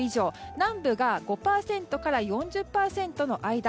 南部が５％から４０％の間。